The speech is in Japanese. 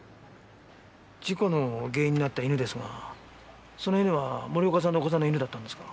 事故の原因になった犬ですがその犬は森岡さんのお子さんの犬だったんですか？